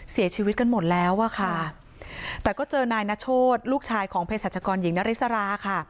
เสียชีวิตกันหมดแล้วอะค่ะแต่ก็เจอนายนโชธลูกชายของเพศรัชกรหญิงนาริสราค่ะ